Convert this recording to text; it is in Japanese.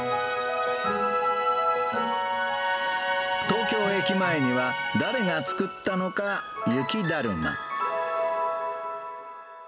東京駅前には、誰が作ったのか、雪だるま。